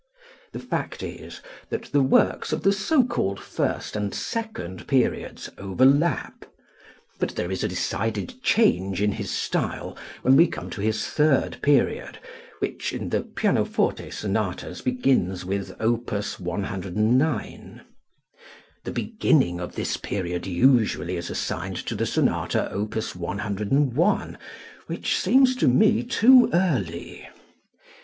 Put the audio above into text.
The fact is, that the works of the so called first and second periods overlap; but there is a decided change in his style when we come to his third period which, in the pianoforte sonatas, begins with Opus 109. (The beginning of this period usually is assigned to the sonata Opus 101, which seems to me too early.)